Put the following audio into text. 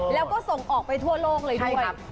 แล้วก็ส่งออกไปทั่วโลกเลยด้วย